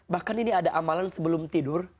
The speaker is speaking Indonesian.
bahkan ini ada amalan sebelum tidur